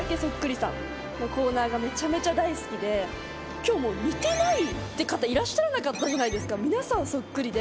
今日似てないって方いらっしゃらなかったぐらい皆さんそっくりで。